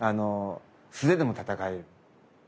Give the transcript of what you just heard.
素手でも戦える。